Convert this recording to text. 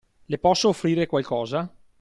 Le posso offrire qualcosa?